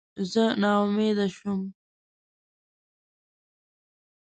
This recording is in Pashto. زه ناامیده شوم.